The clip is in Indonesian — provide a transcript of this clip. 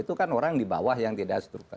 itu kan orang di bawah yang tidak struktur